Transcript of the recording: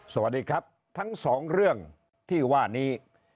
สวัสดีครับทั้งสองเรื่องที่ว่านี้